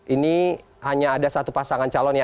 ini hanya ada satu pasangan calon ya